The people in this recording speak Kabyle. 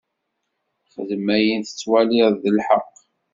Xdem ayen tettwaliḍ d lḥeqq.